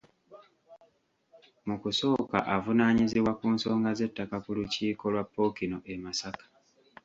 Mu kusooka avunaanyizibwa ku nsonga z’ettaka ku lukiiko lwa Pookino e Masaka.